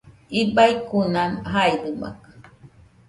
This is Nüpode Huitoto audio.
Ibaikuna jaidɨmakɨ